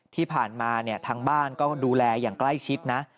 ที่ผ่านมาเนี่ยทางบ้านก็ดูแลอย่างใกล้ชิดนะ